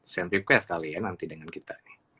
send request kali ya nanti dengan kita